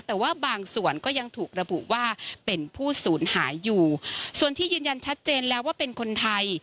แต่ว่าบางส่วนก็ยังถูกระบุว่าเป็นผู้สูญหายอยู่ส่วนที่ยืนยันชัดเจนแล้วว่าเป็นคนไทย